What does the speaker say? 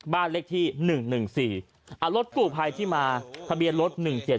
บ้านเลขที่๑๑๔เอารถกู้ภัยที่มาทะเบียนรถ๑๗๗